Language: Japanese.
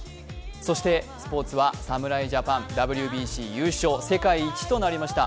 そしてスポーツは侍ジャパンＷＢＣ優勝、世界一となりました。